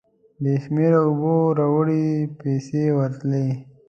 بې شمېرې اوبو راوړې پیسې ورتلې.